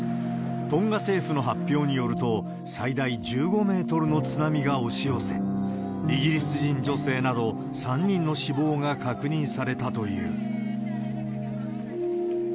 トンガ政府の発表によると、最大１５メートルの津波が押し寄せ、イギリス人女性など、３人の死亡が確認されたという。